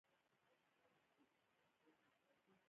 د بازار اقتصاد خلاف په شوروي کې د توکو بیې دولت ټاکلې وې